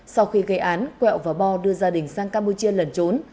sau khi gây án quẹo và bo đưa gia đình sang campuchia lẩn trốn